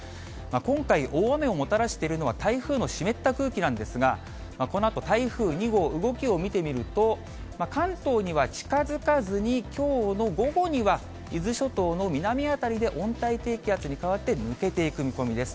今回、大雨をもたらしているのは、台風の湿った空気なんですが、このあと台風２号、動きを見てみると、関東には近づかずに、きょうの午後には伊豆諸島の南辺りで温帯低気圧に変わって、抜けていく見込みです。